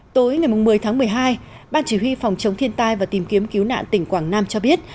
tối ngày một mươi tháng một mươi hai ban chỉ huy phòng chống thiên tai và tìm kiếm cứu nạn tỉnh quảng nam cho biết